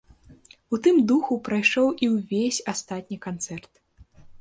У тым духу прайшоў і ўвесь астатні канцэрт.